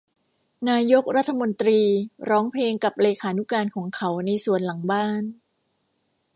นายกรัฐมนตรีร้องเพลงกับเลขานุการของเขาในสวนหลังบ้าน